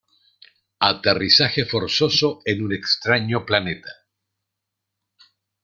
Aterrizaje forzoso en un extraño planeta.